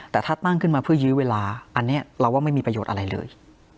แต่ถ้าตั้งขึ้นมาเพื่อยื้อเวลาอันนี้เราว่าไม่มีประโยชน์อะไรเลย